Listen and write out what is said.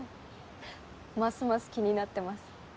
ますます気になってます。